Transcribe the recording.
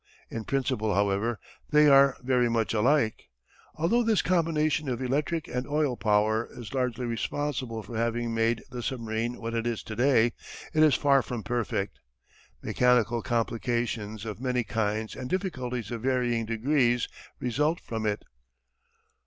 In principle, however, they are very much alike. Although this combination of electric and oil power is largely responsible for having made the submarine what it is to day, it is far from perfect. Mechanical complications of many kinds and difficulties of varying degrees result from it.